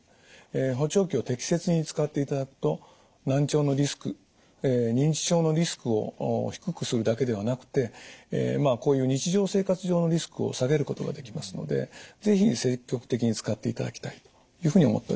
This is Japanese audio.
補聴器を適切に使っていただくと難聴のリスク認知症のリスクを低くするだけではなくてこういう日常生活上のリスクを下げることができますので是非積極的に使っていただきたいというふうに思っております。